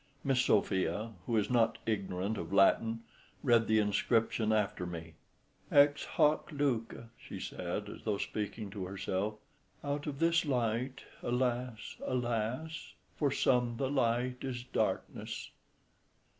Miss Sophia, who is not ignorant of Latin, read the inscription after me. "Ex hac luce," she said, as though speaking to herself, "out of this light; alas! alas! for some the light is darkness."